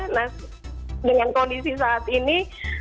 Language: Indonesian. nah dengan kondisi saat ini